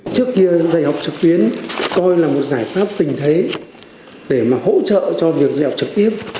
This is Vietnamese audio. trước kia dạy học trực tuyến coi là một giải pháp tình thế để mà hỗ trợ cho việc dạy học trực tiếp